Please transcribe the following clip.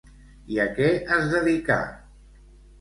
I a què es dedicà?